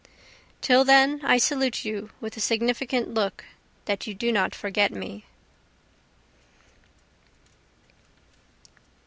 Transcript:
Till then I salute you with a significant look that you do not forget me.